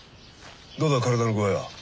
どうだ体の具合は？